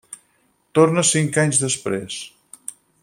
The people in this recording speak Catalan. Torna cinc anys després.